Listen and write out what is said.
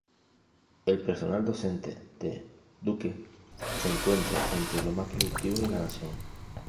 El personal docente de Duke se encuentra entre los más productivos de la nación.